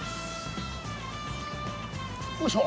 おいしょ。